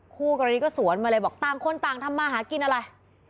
คู่กรณีก็สวนมาเลยบอกต่างคนต่างทำมาหากินอะไร